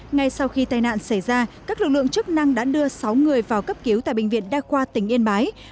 ngay sau khi tai nạn xảy ra các lực lượng chức năng đã đưa sáu người vào cấp cứu tại bệnh viện đa khoa tỉnh yên bái